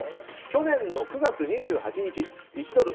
去年の９月２８日１ドル